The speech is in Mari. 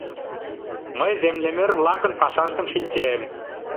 Мый землемер-влакын пашаштым шинчем.